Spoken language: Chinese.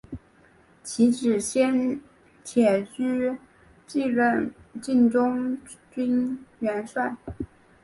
其子先且居继任晋中军元帅。